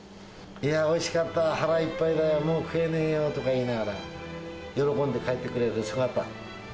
いやぁ、おいしかった、腹いっぱいだよ、もう食えねえよとか言いながら、喜んで帰ってくれる姿。